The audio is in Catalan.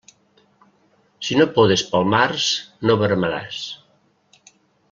Si no podes pel març, no veremaràs.